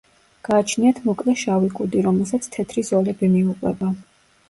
გააჩნიათ მოკლე შავი კუდი, რომელსაც თეთრი ზოლები მიუყვება.